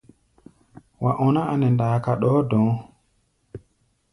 Wa ɔná a nɛ ndaaka ɗɔɔ́ dɔ̧ɔ̧́.